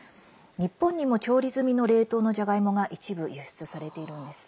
日本にも調理済みの冷凍のじゃがいもが一部、輸出されているんです。